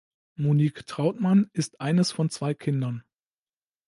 Monique Trautmann ist eines von zwei Kindern.